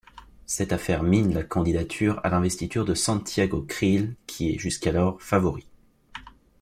Cette affaire mine la candidature à l'investiture de Santiago Creel qui est, jusqu'alors, favori.